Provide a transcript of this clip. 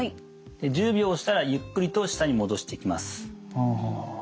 で１０秒したらゆっくりと下に戻していきます。